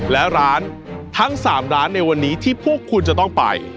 และร้านทั้ง๓ร้านในวันนี้ที่พวกคุณจะต้องไป